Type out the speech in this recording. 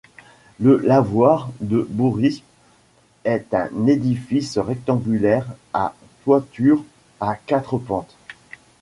Le lavoir de Bourisp est un édifice rectangulaire à toiture à quatre pentes.